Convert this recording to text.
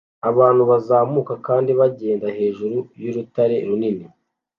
Abantu bazamuka kandi bagenda hejuru y'urutare runini